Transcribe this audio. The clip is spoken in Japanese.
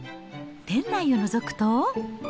店内をのぞくと。